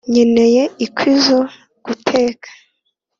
nkeneye inkwi zo guteka.